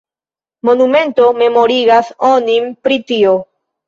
Monumento memorigas onin pri tio.